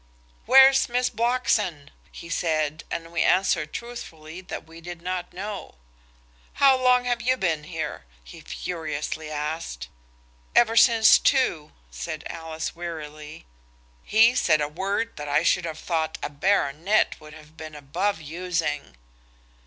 "Where's Miss Blockson?" he said, and we answered truthfully that we did not know. "How long have you been here?" he furiously asked. "Ever since two," said Alice wearily. He said a word that I should have thought a baronet would have been above using.